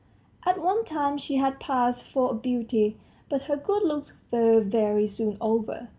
At one time she had passed for a beauty, but her good looks were very soon over.